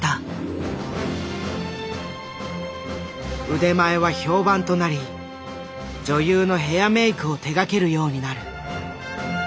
腕前は評判となり女優のヘアメイクを手がけるようになる。